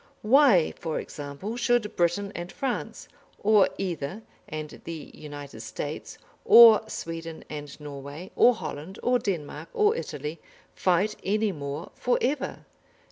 Why, for example, should Britain and France, or either and the United States, or Sweden and Norway, or Holland, or Denmark, or Italy, fight any more for ever?